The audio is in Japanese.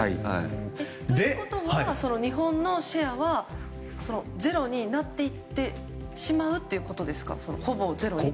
ということは日本のシェアはほぼゼロになっていってしまうということですか？